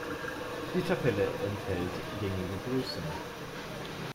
Die Tabelle enthält gängige Größen.